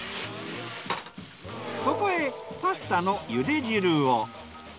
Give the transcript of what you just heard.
そこへパスタの茹で汁を。